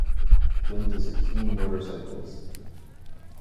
Flint is a keen motorcyclist.